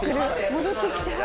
戻ってきちゃう？